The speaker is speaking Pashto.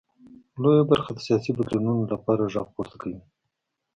لویه برخه د سیاسي بدلونونو لپاره غږ پورته کوي.